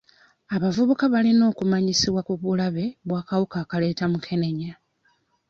Abavubuka balina okumanyisibwa ku bulabe bw'akawuka akaleeta mukenenya.